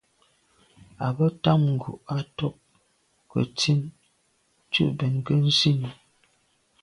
A be tam ngu’ à to’ nke ntsin tù mbèn nke nzine.